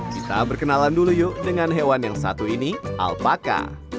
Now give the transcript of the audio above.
kita berkenalan dulu yuk dengan hewan yang satu ini alpaka